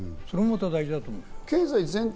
それが大事だと思うよ。